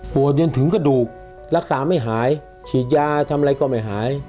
จนถึงกระดูกรักษาไม่หายฉีดยาทำอะไรก็ไม่หาย